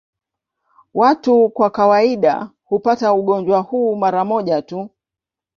Watu kwa kawaida hupata ugonjwa huu mara moja tu.